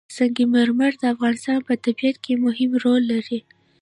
سنگ مرمر د افغانستان په طبیعت کې مهم رول لري.